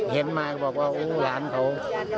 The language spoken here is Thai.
เห็นมาก็บอกว่าโอ้หลานเขา